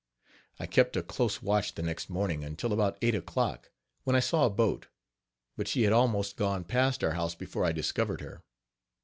I kept a close watch the next morning until about eight o'clock, when I saw a boat, but she had almost gone past our house before I discovered her.